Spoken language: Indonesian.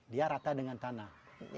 dia rata dengan tanah